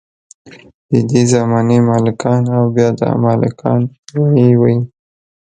ددې زمانې ملکان او بیا دا ملکان وۍ وۍ.